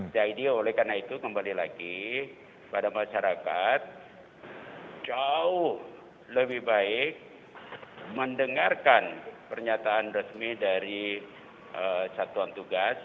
jadi oleh karena itu kembali lagi pada masyarakat jauh lebih baik mendengarkan pernyataan resmi dari satuan tugas